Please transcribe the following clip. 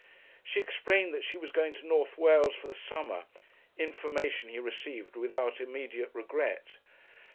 She explained that she was going to North Wales for the summer, information he received without immediate regret.